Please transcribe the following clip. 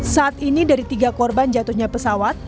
saat ini dari tiga korban jatuhnya pesawat